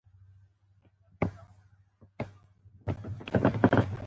د کار ارزښت د کار پایله ټاکي.